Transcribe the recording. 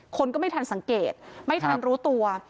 คนก็ไม่ทันสังเกตไม่ทันรู้ตัว